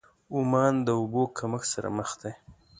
عمان د اوبو کمښت سره مخ دی.